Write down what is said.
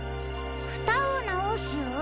ふたをなおす？